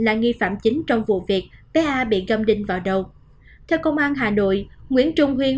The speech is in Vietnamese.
là nghi phạm chính trong vụ việc bé a bị gâm đinh vào đầu theo công an hà nội nguyễn trung huyên